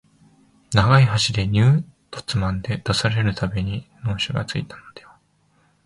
長い箸でニューッとつまんで出される度に能書がついたのでは、